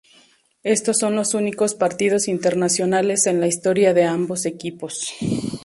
Estos son los únicos partidos internacionales en la historia de ambos equipos